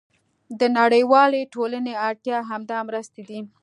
د نړیوالې ټولنې اړتیا همدا مرستې دي.